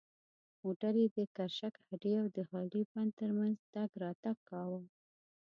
موټر یې د کرشک هډې او د هالې بند تر منځ تګ راتګ کاوه.